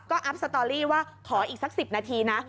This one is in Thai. ก็อัพสตอรี่ว่าขออีกสัก๑๐นาทีนะ